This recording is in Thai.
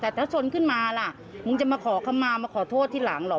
แต่ถ้าชนขึ้นมาล่ะมึงจะมาขอคำมามาขอโทษทีหลังหรอก